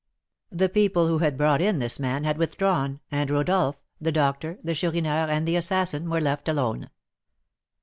The people who had brought in this man had withdrawn, and Rodolph, the doctor, the Chourineur, and the assassin were left alone.